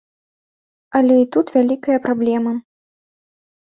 Але і тут вялікая праблема.